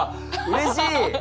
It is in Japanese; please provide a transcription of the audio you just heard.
うれしい！